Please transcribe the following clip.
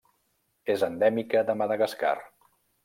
És endèmica de Madagascar.